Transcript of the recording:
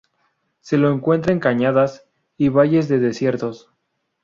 Se lo encuentra en cañadas y valles de desiertos.